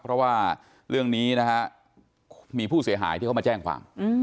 เพราะว่าเรื่องนี้นะฮะมีผู้เสียหายที่เขามาแจ้งความ